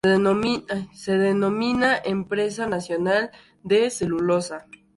Se denominaba Empresa Nacional de Celulosa.